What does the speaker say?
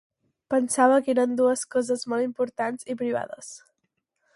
Pensava que eren dues coses molt importants i privades.